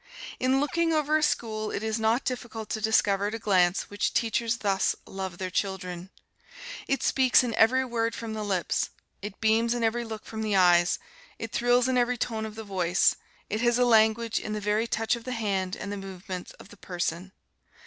In looking over a school, it is not difficult to discover at a glance which teachers thus love their children. It speaks in every word from the lips. It beams in every look from the eyes. It thrills in every tone of the voice. It has a language in the very touch of the hand and the movements of the person.